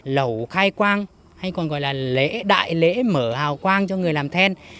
lẩu khai quang hay còn gọi là đại lễ mở hào quang cho người làm then